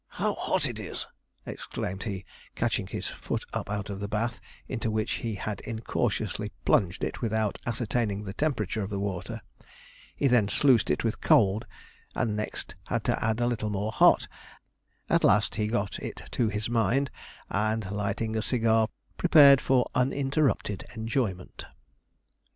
how hot it is!' exclaimed he, catching his foot up out of the bath, into which he had incautiously plunged it without ascertaining the temperature of the water. He then sluiced it with cold, and next had to add a little more hot; at last he got it to his mind, and lighting a cigar, prepared for uninterrupted enjoyment.